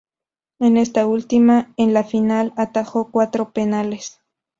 En esta última, en la final, atajó cuatro penales.